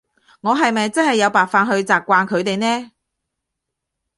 我係咪真係有辦法去習慣佢哋呢？